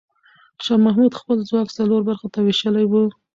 شاه محمود خپل ځواک څلور برخو ته وېشلی و.